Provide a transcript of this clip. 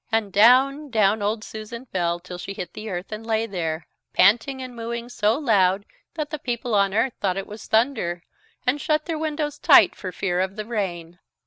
And down, down old Susan fell till she hit the earth and lay there, panting and mooing so loud that the people on earth thought it was thunder, and shut their windows tight for fear of the rain.